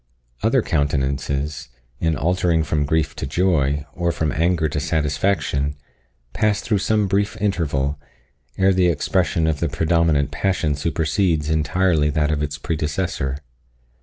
Other countenances, in altering from grief to joy, or from anger to satisfaction, pass through some brief interval, ere the expression of the predominant passion supersedes entirely that of its predecessor.